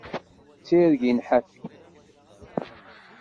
D tirgin ḥafi.